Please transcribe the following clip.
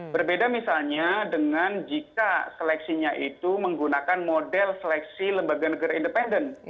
berbeda misalnya dengan jika seleksinya itu menggunakan model seleksi lembaga negara independen